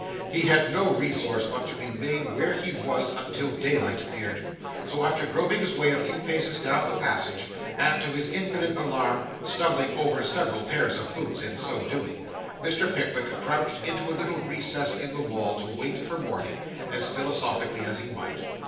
He had no resource but to remain where he was until daylight appeared. So after groping his way a few paces down the passage, and, to his infinite alarm, stumbling over several pairs of boots in so doing, Mr. Pickwick crouched into a little recess in the wall, to wait for morning, as philosophically as he might.